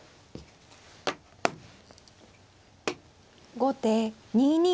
後手２二歩。